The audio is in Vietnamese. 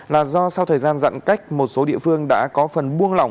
là do sau thời gian dặn cách một số địa phương đã có phần buông lỏng